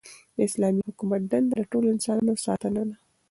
د اسلامي حکومت دنده د ټولو انسانانو ساتنه ده.